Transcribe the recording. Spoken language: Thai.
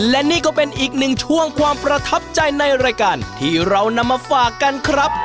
และนี่ก็เป็นอีกหนึ่งช่วงความประทับใจในรายการที่เรานำมาฝากกันครับ